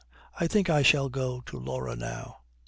'I think I shall go to Laura now.'